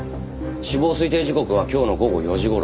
死亡推定時刻は今日の午後４時頃。